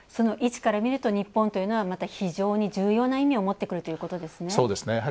位置から見ると日本というのは非常に重要な意味を持ってくるという意味ですね。